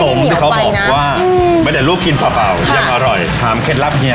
เขาบอกว่าไม่ได้ลูกกินเปล่ายังอร่อยถามเคล็ดลับเฮีย